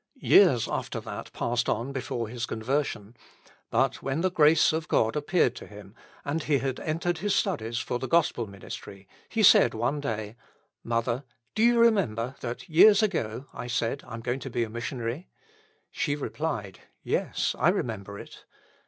Years after that passed on before his conversion; but when the grace of God appeared to him, and he had entered his studies for the Gospel ministry, he said one day, "Mother, do you remember that years ago I said, 'I am going to be a missionary'?" She replied, "Yes, I remember it."